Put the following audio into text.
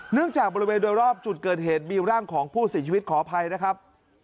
จากบริเวณโดยรอบจุดเกิดเหตุมีร่างของผู้เสียชีวิตขออภัยนะครับ